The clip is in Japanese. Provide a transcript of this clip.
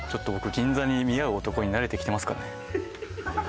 銀座に見合う男になれてきてますかね